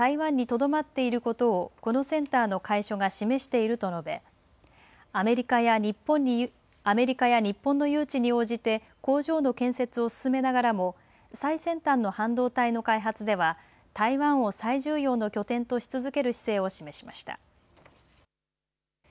私たちの拠点が台湾にとどまっていることをこのセンターの開所が示していると述べアメリカや日本の誘致に応じて工場の建設を進めながらも最先端の半導体の開発では台湾を最重要の拠点とし続ける姿勢を示しました。